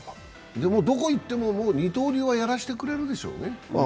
でも、どこ行っても二刀流はやらせてくれるでしょうね。